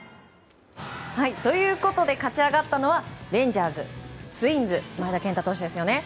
ということで勝ち上がったのはレンジャーズツインズ、前田健太投手ですね。